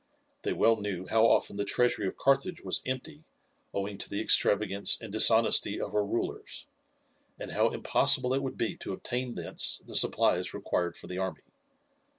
They well knew how often the treasury of Carthage was empty owing to the extravagance and dishonesty of her rulers, and how impossible it would be to obtain thence the supplies required for the army.